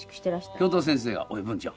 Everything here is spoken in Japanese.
教頭先生が「おいぶんちゃん